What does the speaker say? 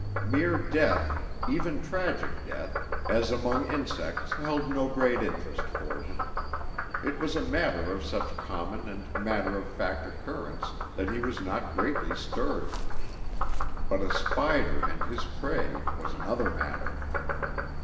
Mere death even tragic death as among insects held no great interest for him. It was a matter of such common and matter of fact occurrence that he was not greatly stirred. But a spider and his prey was another matter.